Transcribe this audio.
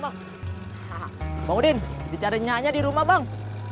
bang udin dicari nyanya di rumah bang